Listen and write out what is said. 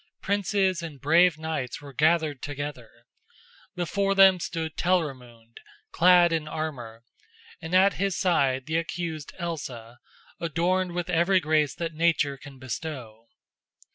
Princes and brave knights were gathered together. Before them stood Telramund, clad in armor, and at his side the accused Elsa, adorned with every grace that Nature can bestow.